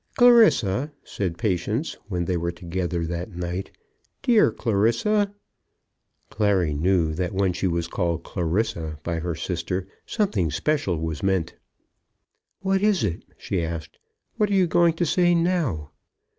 "Clarissa," said Patience, when they were together that night, "dear Clarissa!" Clary knew that when she was called Clarissa by her sister something special was meant. "What is it?" she asked. "What are you going to say now?"